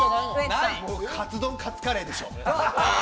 カツ丼、カツカレーでしょ。